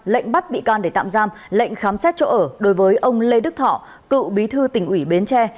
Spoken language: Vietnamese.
lệnh bắt bị can để tạm giam lệnh khám xét chỗ ở đối với ông lê đức thọ cựu bí thư tỉnh ủy bến tre